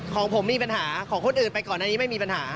ของผมมีปัญหาของคนอื่นไปก่อนอันนี้ไม่มีปัญหา